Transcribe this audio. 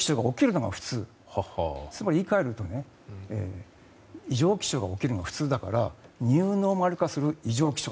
つまり言い換えると異常気象が起きるのが普通だからニューノーマル化する異常気象。